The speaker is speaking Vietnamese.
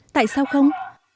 tại sao không